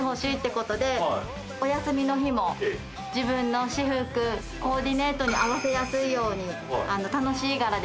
お休みの日も自分の私服コーディネートに合わせやすいように。